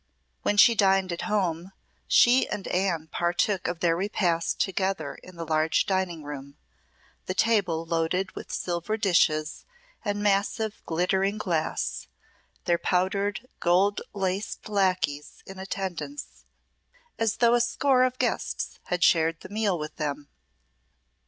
When she dined at home she and Anne partook of their repast together in the large dining room, the table loaded with silver dishes and massive glittering glass, their powdered, gold laced lacqueys in attendance, as though a score of guests had shared the meal with them.